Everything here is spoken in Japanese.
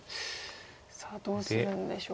さあどうするんでしょう。